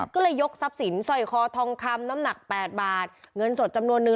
ก็เลยยกทรัพย์สินสร้อยคอทองคำน้ำหนัก๘บาทเงินสดจำนวนนึง